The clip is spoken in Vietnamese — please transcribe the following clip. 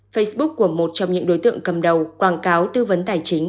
facebook của một trong những đối tượng cầm đầu quảng cáo tư vấn tài chính